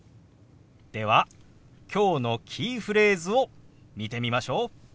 ではきょうのキーフレーズを見てみましょう。